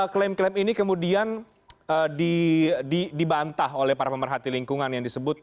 klaim klaim ini kemudian dibantah oleh para pemerhati lingkungan yang disebut